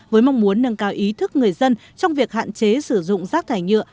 với mong muốn nâng cao ý thức người dân trong việc hạn chế sử dụng rác thải nhựa